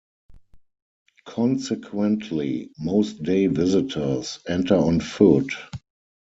Consequently, most day visitors enter on foot.